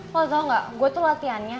kalau tau gak gue tuh latihannya